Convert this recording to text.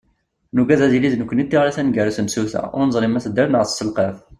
Nugad ad yili d nekkni i d tiɣri taneggarut n tsuta ur neẓri ma tedder neɣ tesselqaf.